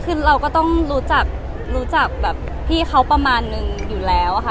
คือเราก็ต้องรู้จักพี่เขาประมาณนึงอยู่แล้วค่ะ